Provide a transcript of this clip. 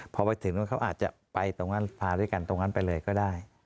พอไปถึงเขาอาจจะไปตรงนั้นพาด้วยกันตรงนั้นไปเลยก็ได้